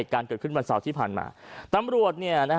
ขึ้นวันเสาร์ที่ผ่านมาตำรวจเนี่ย